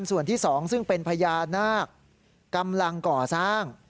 ส่วนที่๒ซึ่งเป็นพญานาคกำลังก่อสร้าง